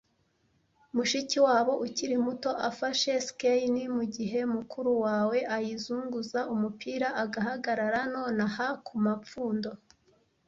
Mushikiwabo ukiri muto afashe skein mugihe mukuru wawe ayizunguza umupira, agahagarara nonaha kumapfundo,